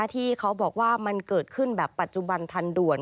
ที่เขาบอกว่ามันเกิดขึ้นแบบปัจจุบันทันด่วน